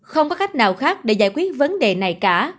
không có cách nào khác để giải quyết vấn đề này cả